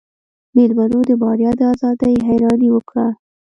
مېلمنو د ماريا د ازادۍ حيراني وکړه.